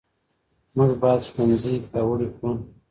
موږ باید ښوونځي پیاوړي کړو.